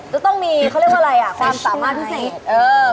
จะต้องมีเขาเรียกว่าอะไรอ่ะความสามารถพิเศษ